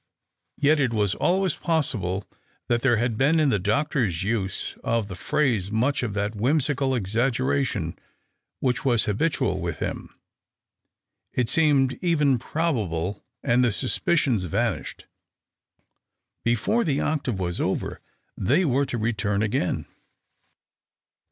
Yet it was always possible that there had been in the doctor's use of the phrase much of that whimsical exaggeration which was habitual with him. It seemed even probable, and the suspicions vanished. Before the octave was over they were to re turn again.